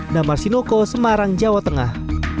damar sinoko semarang jawa tengah